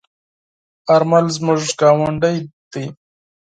آرمل زموږ گاوندی دی.